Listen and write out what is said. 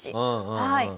はい。